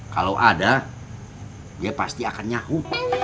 kalau ada dia pasti akan nyahu